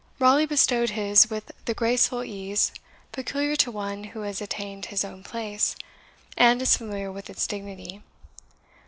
Raleigh bestowed his with the graceful ease peculiar to one who has attained his own place, and is familiar with its dignity.